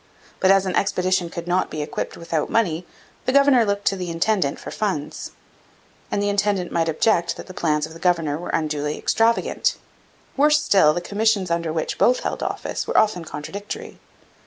But as an expedition could not be equipped without money, the governor looked to the intendant for funds, and the intendant might object that the plans of the governor were unduly extravagant. Worse still, the commissions under which both held office were often contradictory.